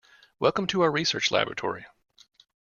Welcome to our research Laboratory.